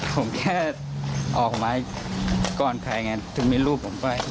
ผมแค่ออกมาก่อนใครไงถึงมีรูปผมไป